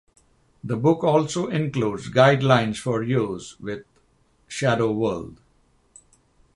The book also includes guidelines for use with "Shadow World".